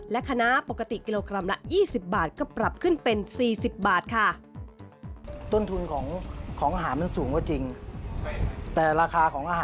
และคณะปกติกิโลกรัมละ๒๐บาทก็ปรับขึ้นเป็น๔๐บาทค่ะ